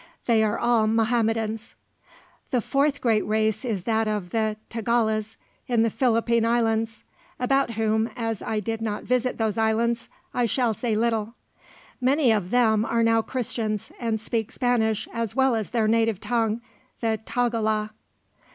They are all Mahometans. The fourth great race is that of the Tagalas in the Philippine Islands, about whom, as I did not visit those Islands, I shall say little. Many of them are now Christians, and speak Spanish as well as their native tongue, the Tagala.